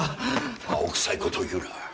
青くさいことを言うな。